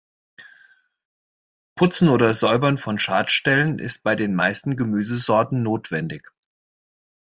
Putzen oder Säubern von Schadstellen ist bei den meisten Gemüsesorten notwendig.